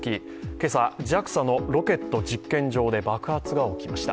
今朝、ＪＡＸＡのロケット実験場で爆発が起きました。